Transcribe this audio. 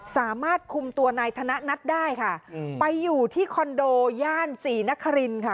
สามารถคุมตัวนายธนัดได้ค่ะไปอยู่ที่คอนโดย่านศรีนครินค่ะ